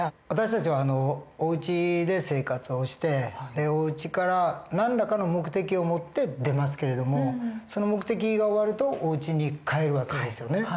私たちはおうちで生活をしておうちから何らかの目的を持って出ますけれどもその目的が終わるとおうちに帰る訳ですよね。